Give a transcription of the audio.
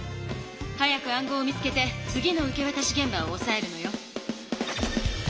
早く暗号を見つけて次の受けわたしげん場をおさえるのよ。